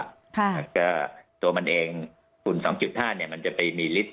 แล้วก็ตัวมันเองฝุม๒๕มันจะไปมีฤทธิ์